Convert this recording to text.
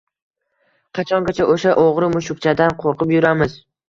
Qachongacha o‘sha o‘g‘ri mushukchadan qo‘rqib yuramiz?